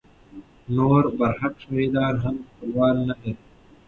نور برحق شهیدان هم خپلوان نه لري.